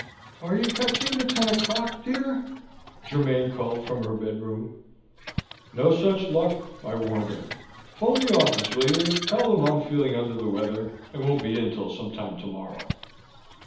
"Are you catching the ten o'clock, dear?" Germaine called from her bedroom. "No such luck!" I warned her. "Phone the office, will you, and tell them I'm feeling under the weather and won't be in till sometime tomorrow."